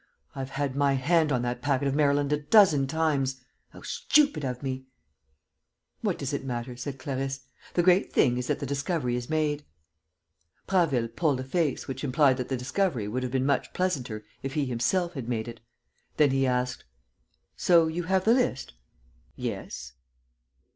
I've had my hand on that packet of Maryland a dozen times! How stupid of me!" "What does it matter?" said Clarisse. "The great thing is that the discovery is made." Prasville pulled a face which implied that the discovery would have been much pleasanter if he himself had made it. Then he asked: "So you have the list?" "Yes."